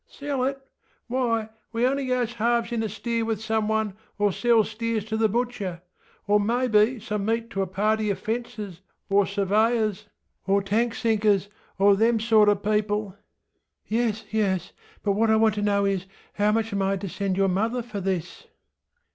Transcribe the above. ŌĆśSell it? Why, we only goes halves in a steer with some one, or sells steers to the butcherŌĆöor maybe some meat to a party of fencers or surveyors, or tank sinkers, or them sorter peopleŌĆöŌĆöŌĆÖ ŌĆśYes, yes; but what I want to know is, how much am I to send your mother for this?